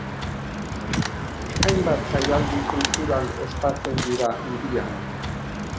Hainbat jaialdi kultural ospatzen dira hirian.